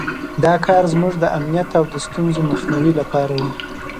دا کار زموږ د امنیت او د ستونزو مخنیوي لپاره وو.